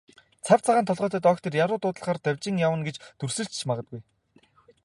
Цав цагаан толгойтой доктор яаруу дуудлагаар давхиж явна гэж дүрсэлж ч магадгүй.